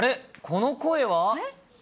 この声は？